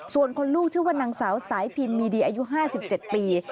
ส่วนคนลูกชื่อว่านางสาวสายพินมีดีอายุ๕๗ปี